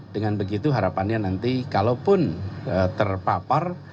dengan begitu harapannya nanti kalaupun terpapar